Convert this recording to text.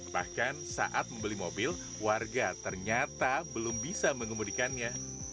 bahkan saat membeli mobil warga ternyata belum bisa mengemudikannya